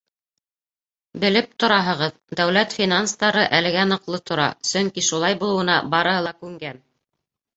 Белеп тораһығыҙ, дәүләт финанстары әлегә ныҡлы тора, сөнки шулай булыуына барыһы ла күнгән.